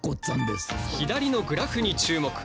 左のグラフに注目！